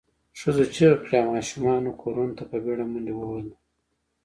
ښځو چیغې کړې او ماشومانو کورونو ته په بېړه منډې ووهلې.